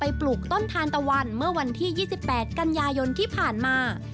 ปลูกต้นทานตะวันเมื่อวันที่๒๘กันยายนที่ผ่านมา